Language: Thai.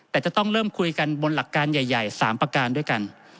แต่จะต้องเริ่มคุยกันบนหลักการใหญ่๓ประการด้วยกัน